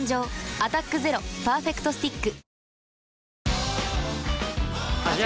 「アタックＺＥＲＯパーフェクトスティック」